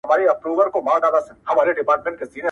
خو په زړو کي غلیمان د یوه بل دي!!